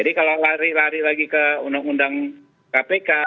jadi kalau lari lari lagi ke undang undang kpk